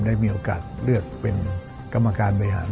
ได้มีโอกาสเลือกเป็นกรรมการบริหาร